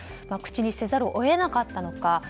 口にせざるを得なかったのか。